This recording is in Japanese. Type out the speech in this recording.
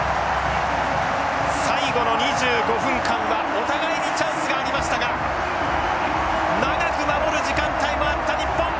最後の２５分間はお互いにチャンスがありましたが長く守る時間帯もあった日本。